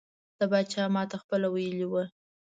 د پاچا ماته پخپله ویلي وو.